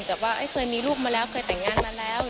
ว่าเคยมีลูกมาแล้วเคยแต่งงานมาแล้ว